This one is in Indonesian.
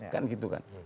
kan gitu kan